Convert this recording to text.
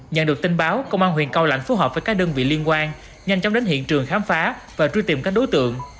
nhận được tin báo công an huyện cao lãnh phối hợp với các đơn vị liên quan nhanh chóng đến hiện trường khám phá và truy tìm các đối tượng